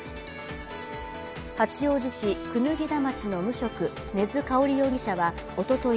八王子市椚田町の無職、根津かおり容疑者はおととい